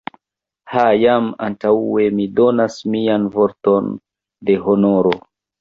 Ho, jam antaŭe mi donas mian vorton de honoro!